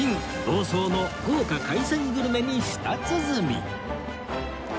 房総の豪華海鮮グルメに舌鼓